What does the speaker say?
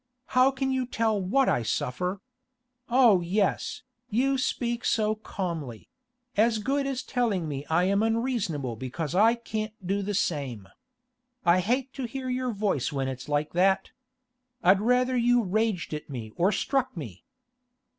How can you tell what I suffer? Oh yes, you speak so calmly—as good as telling me I am unreasonable because I can't do the same. I hate to hear your voice when it's like that! I'd rather you raged at me or struck me!